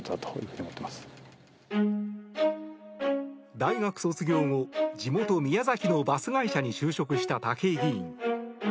大学卒業後地元・宮崎のバス会社に就職した武井議員。